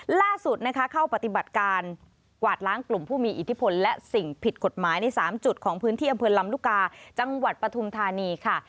ล่าสุดนะคะเข้าปฏิบัติการกวาดล้างกลุ่มผู้มีอิทธิพลและสิ่งผิดกฎหมายใน๓จุดของพื้นที่อำเภอลำลูกกาจังหวัดปฐุมธานีค่ะ